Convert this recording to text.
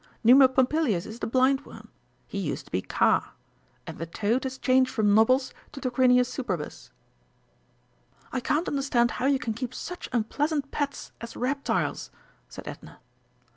Numa Pompilius is the Blind worm he used to be Kaa and the Toad has changed from Nobbles to Tarquinius Superbus." "I can't understand how you can keep such unpleasant pets as reptiles," said Edna.